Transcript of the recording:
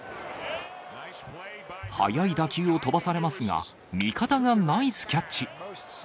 速い打球を飛ばされますが、味方がナイスキャッチ。